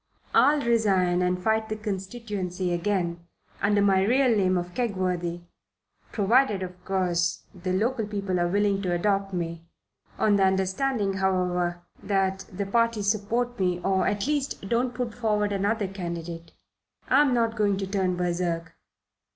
I'll resign and fight the constituency again, under my real name of Kegworthy, provided, of course, the local people are willing to adopt me on the understanding, however, that the party support me, or, at least, don't put forward another candidate. I'm not going to turn berserk."